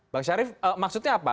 bang syarif maksudnya apa